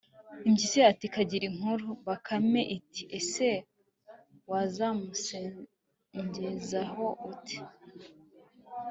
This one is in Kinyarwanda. impyisi ati 'kagire inkuru bakame. iti 'ese wazamungezaho ute